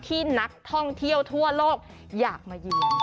ที่นักท่องเที่ยวทั่วโลกอยากมาเยือน